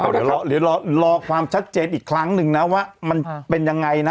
เดี๋ยวรอความชัดเจนอีกครั้งหนึ่งนะว่ามันเป็นยังไงนะ